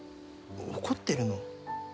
怒ってるの？